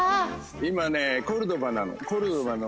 今ねコルドバなの。